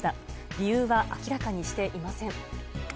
理由は明らかにしていません。